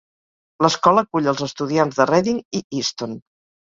L'escola acull els estudiants de Redding i Easton.